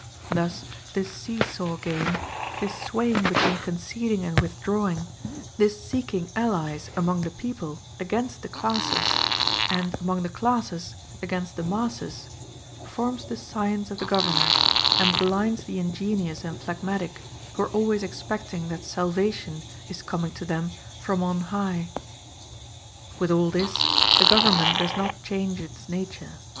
Thus this see saw game, this swaying between conceding and withdrawing, this seeking allies among the people against the classes, and among the classes against the masses, forms the science of the governors, and blinds the ingenuous and phlegmatic, who are always expecting that salvation is coming to them from on high. With all this, the government does not change its nature.